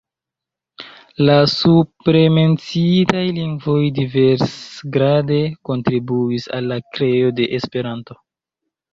La supremenciitaj lingvoj diversgrade kontribuis al la kreo de Esperanto.